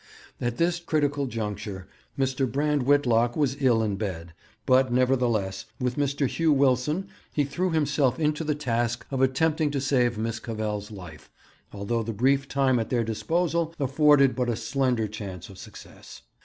At this critical juncture Mr. Brand Whitlock was ill in bed; but, nevertheless, with Mr. Hugh Wilson, he threw himself into the task of attempting to save Miss Cavell's life, although the brief time at their disposal afforded but a slender chance of success.